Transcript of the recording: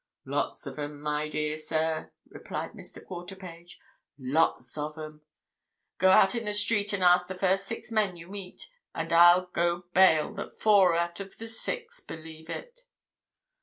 "Lots of 'em, my dear sir!" replied Mr. Quarterpage. "Lots of 'em! Go out in the street and ask the first six men you meet, and I'll go bail that four out of the six believe it."